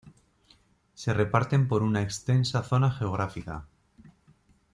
Se reparten por una extensa zona geográfica.